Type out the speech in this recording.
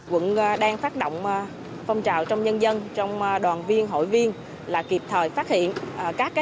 quận đang phát động phong trào trong nhân dân trong đoàn viên hội viên là kịp thời phát hiện các